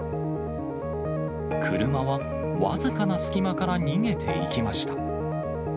車は僅かな隙間から逃げていきました。